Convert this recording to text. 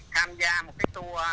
tham gia một cái tour